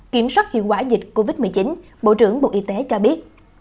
kiểm soát hiệu quả dịch covid một mươi chín bộ trưởng bộ y tế cho biết